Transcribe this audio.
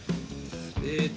えっと